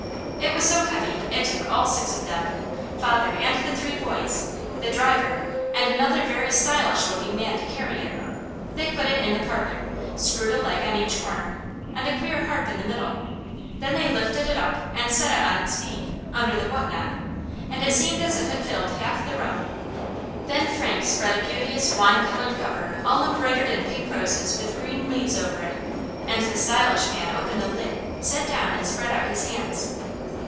It was so heavy it took all six of them, father and the three boys, the driver and another very stylish looking man to carry it. They put it in the parlour, screwed a leg on each corner, and a queer harp in the middle, then they lifted it up and set it on its feet, under the whatnot, and it seemed as if it filled half the room. Then Frank spread a beauteous wine coloured cover all embroidered in pink roses with green leaves over it, and the stylish man opened a lid, sat down and spread out his hands.